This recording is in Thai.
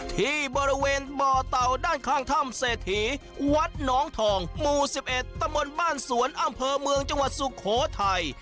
ที่บริเวณบ่อเต่าด้านข้างถ้ำเศรษฐีวัดน้องทองหมู่๑๑ตำบลบ้านสวนอำเภอเมืองจังหวัดสุโขทัย